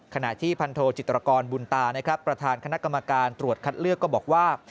ขณะที่พันโทจิตรกรบุญตานะครับประธานคณะกรรมการตรวจคัดเลือกก็บอกว่า